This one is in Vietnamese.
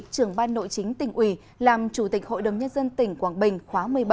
trưởng ban nội chính tỉnh ủy làm chủ tịch hội đồng nhân dân tỉnh quảng bình khóa một mươi bảy